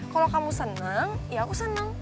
kalau kamu senang ya aku senang